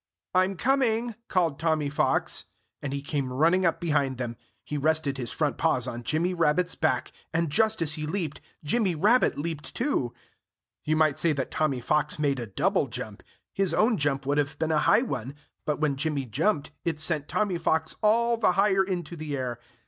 "I'm coming!" called Tommy Fox. And he came running up behind them. He rested his front paws on Jimmy Rabbit's back. And just as he leaped, Jimmy Rabbit leaped too. You might say that Tommy Fox made a double jump. His own jump would have been a high one. But when Jimmy jumped, it sent Tommy Fox all the higher into the air.